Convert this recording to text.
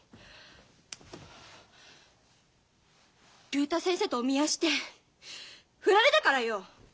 竜太先生とお見合いして振られたからよ！